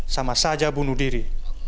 sama saja bunuh diri